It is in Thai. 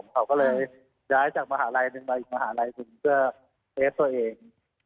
เขาก็เลยย้ายจากมหาลัยหนึ่งมาอีกมหาลัยหนึ่งเพื่อเทสตัวเอง